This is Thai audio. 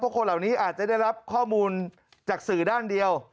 คนเหล่านี้อาจจะได้รับข้อมูลจากสื่อด้านเดียว